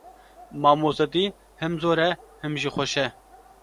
Mamostetî him zor e him jî xweş e.